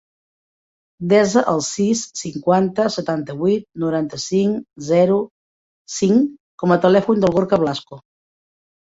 Desa el sis, cinquanta, setanta-vuit, noranta-cinc, zero, cinc com a telèfon del Gorka Blasco.